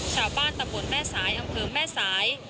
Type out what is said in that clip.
ชาวบ้านตำบลแม่สายอำเภอแม่สาย